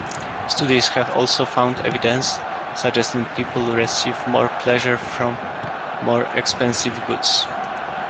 Studies have also found evidence suggesting people receive more pleasure from more expensive goods.